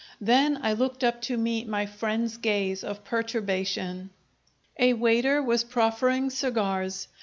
Then I looked up to meet my friend's gaze of perturbation. A waiter was proffering cigars.